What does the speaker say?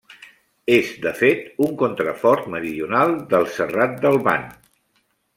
És, de fet, un contrafort meridional del Serrat del Ban.